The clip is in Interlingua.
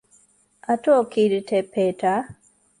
Ha tu occidite Peter?